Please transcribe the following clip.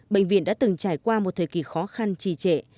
bệnh viện đã từng trải qua một thời kỳ khó khăn trì trệ